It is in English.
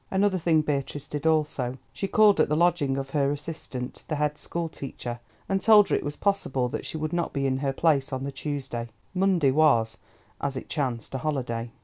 Another thing Beatrice did also: she called at the lodging of her assistant, the head school teacher, and told her it was possible that she would not be in her place on the Tuesday (Monday was, as it chanced, a holiday).